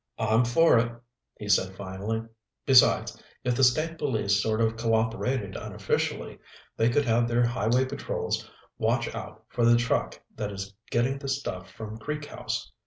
"I'm for it," he said finally. "Besides, if the State Police sort of co operated unofficially, they could have their highway patrols watch out for the truck that is getting the stuff from Creek House.